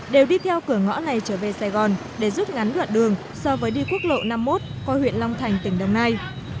đều đi theo cửa ngõ này trở về sài gòn để rút ngắn đoạn đường so với đi quốc lộ năm mươi một qua huyện long thành tỉnh đồng nai